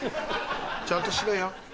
ちゃんとしろよ。